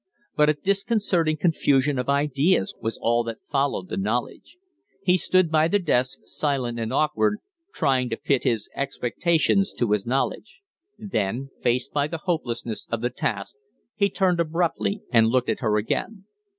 But a disconcerting confusion of ideas was all that followed the knowledge. He stood by the desk, silent and awkward, trying to fit his expectations to his knowledge. Then, faced by the hopelessness of the task, he turned abruptly and looked at her again.